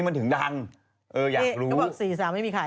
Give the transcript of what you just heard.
มากันใหญ่